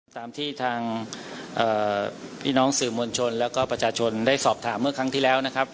ตามที่ทางพี่น้องสื่อมวลชนแล้วก็ประชาชนได้สอบถามเมื่อครั้งที่แล้วนะครับ